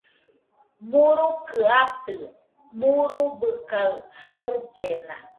Murukɨ atɨ, murubɨ kaɨ jaɨllena